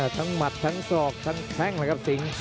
หมัดทั้งศอกทั้งแข้งเลยครับสิง